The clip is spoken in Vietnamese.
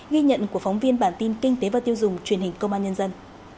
ghi nhận của phóng viên bản tin kinh tế và tiêu dùng truyền hình công an nhân dân